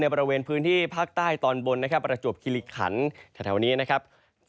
ในประเมียพรรณพื้นที่ภาคใต้ตอนบนประจบกิริขัณแถวนี้นะครับ